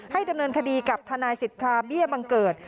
ดำเนินคดีกับทนายสิทธาเบี้ยบังเกิด